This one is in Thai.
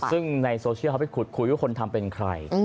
ซึ่งในโซเชียลเขาไปขุดคุยว่าคนทำเป็นใคร